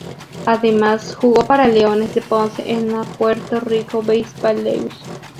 Además jugó para Leones de Ponce en la Puerto Rico Baseball League.